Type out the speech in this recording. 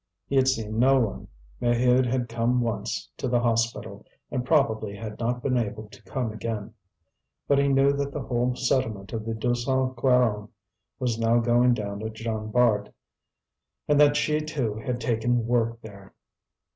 He had seen no one; Maheude had come once to the hospital, and, probably, had not been able to come again. But he knew that the whole settlement of the Deux Cent Quarante was now going down at Jean Bart, and that she too had taken work there.